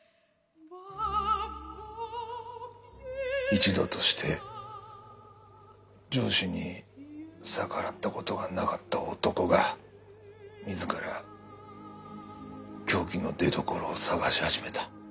一度として上司に逆らったことがなかった男が自ら凶器の出どころを探し始めた。